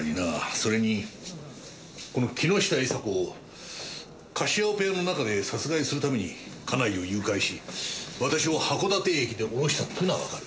それにこの木下伊沙子をカシオペアの中で殺害するために家内を誘拐し私を函館駅で降ろしたというのはわかる。